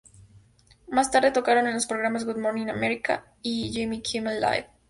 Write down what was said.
Más tarde, tocaron en los programas "Good Morning America" y "Jimmy Kimmel Live!